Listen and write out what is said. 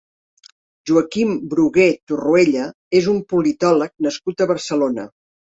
Joaquim Brugué Torruella és un politòleg nascut a Barcelona.